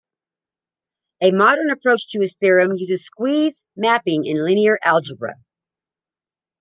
A modern approach to his theorem uses squeeze mapping in linear algebra.